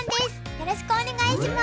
よろしくお願いします。